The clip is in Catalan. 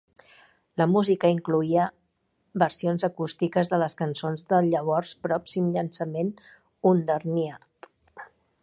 La música incloïa versions acústiques de les cançons del llavors pròxim llançament, "Underneath".